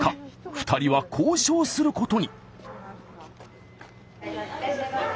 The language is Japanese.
２人は交渉することに。